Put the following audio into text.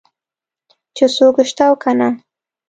چې څوک شته او که نه.